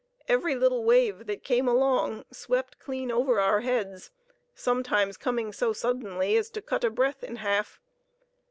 Every little wave that came along swept clean over our heads, sometimes coming so suddenly as to cut a breath in half.